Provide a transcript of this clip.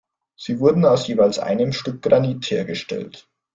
Sie wurden aus jeweils einem Stück Granit hergestellt.